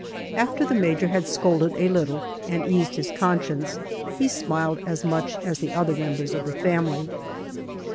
After the major had scolded a little and eased his conscience, he smiled as much as the other members of the family.